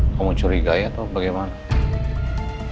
kamu curi gaya atau bagaimana